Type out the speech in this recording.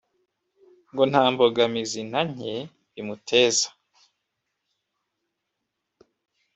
ngo nta mbogamizi nta nke bimuteza